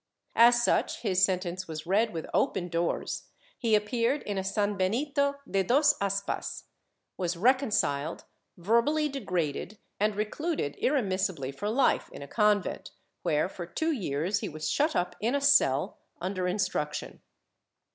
As such his sen tence was read with open doors, he appeared in a sanbenito de dos aspas, was reconciled, verbally degraded and recluded irre missibly for life in a convent where, for two years he was shut up in a cell, under instruction.